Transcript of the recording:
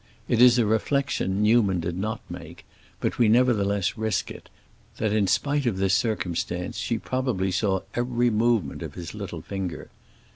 It is a reflection Newman did not make, but we nevertheless risk it, that in spite of this circumstance she probably saw every movement of his little finger.